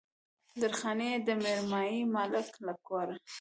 درخانۍ يې د ميرمايي ملک له کوره